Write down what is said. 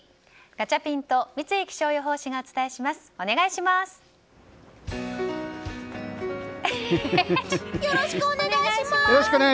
ガチャピンと三井気象予報士がよろしくお願いします！